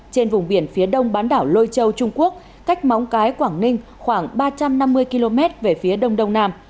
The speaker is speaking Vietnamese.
trên vùng biển phía đông bán đảo lôi châu trung quốc cách móng cái quảng ninh khoảng ba trăm năm mươi km về phía đông đông nam